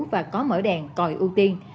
và có mở đèn còi ưu tiên